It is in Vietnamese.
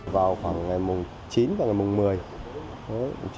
vào khoảng ngày mùng chín và ngày mùng một mươi